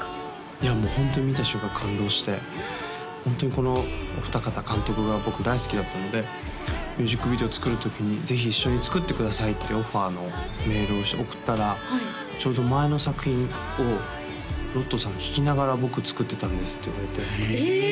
いやもうホントに見た瞬間感動してホントにこのお二方監督が僕大好きだったのでミュージックビデオ作る時にぜひ一緒に作ってくださいってオファーのメールを送ったらちょうど前の作品をＲＯＴＨさん聴きながら僕作ってたんですって言われてええっ！